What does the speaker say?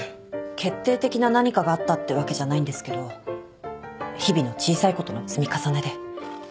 決定的な何かがあったってわけじゃないんですけど日々の小さいことの積み重ねで。